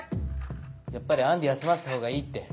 やっぱりアンディは休ませた方がいいって。